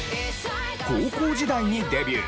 高校時代にデビュー。